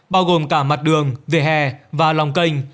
bao gồm cả mặt đường vỉa hè và lòng canh